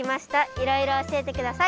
いろいろ教えてください。